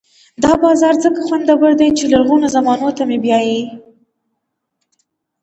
دا بازار ځکه خوندور دی چې لرغونو زمانو ته مې بیايي.